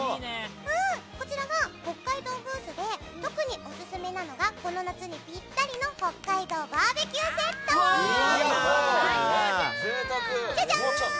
こちらは北海道ブースで特にオススメなのがこの夏にぴったりの北海道バーベキューセット！じゃじゃーん！